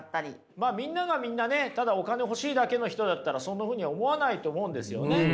まあみんながみんなねただお金欲しいだけの人だったらそんなふうに思わないと思うんですよね。